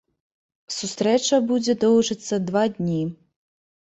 Сустрэча будзе доўжыцца два дні.